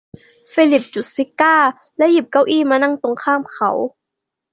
ฟิลิปจุดซิการ์แล้วหยิบเก้าอี้มานั่งตรงข้ามเขา